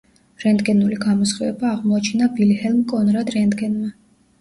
რენტგენული გამოსხივება აღმოაჩინა ვილჰელმ კონრად რენტგენმა.